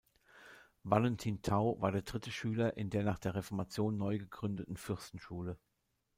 Valentin Thau war der dritte Schüler in der nach der Reformation neu gegründeten Fürstenschule.